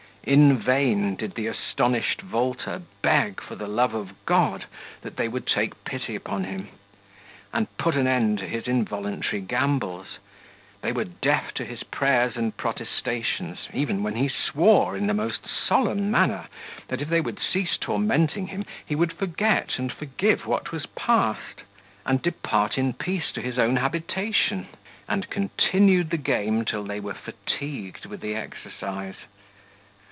In vain did the astonished vaulter beg, for the love of God, that they would take pity upon him, and put an end to his involuntary gambols: they were deaf to his prayers and protestations, even when he swore, in the most solemn manner, that if they would cease tormenting him, he would forget and forgive what was past, and depart in peace to his own habitation; and continued the game till they were fatigued with the exercise.